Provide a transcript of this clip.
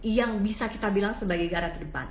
yang bisa kita bilang sebagai gara terdepan